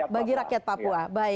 bagi rakyat papua